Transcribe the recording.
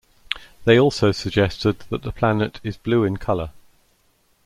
They also suggested that the planet is blue in color.